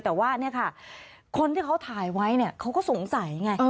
แต่ว่าคนที่เขาถ่ายไว้เขาก็สงสัยไง